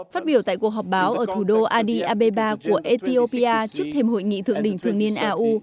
phát biểu tại cuộc họp báo ở thủ đô adi abeba của ethiopia trước thêm hội nghị thượng đỉnh thường niên au